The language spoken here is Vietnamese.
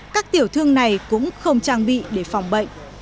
các tiểu thương này cũng không trang bị để phòng bệnh